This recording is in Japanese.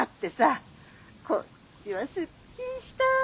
こっちはすっきりした！